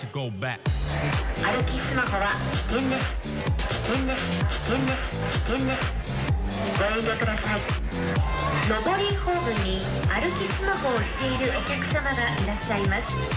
ขอบคุณครับ